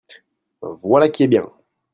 Voilà qui est bien!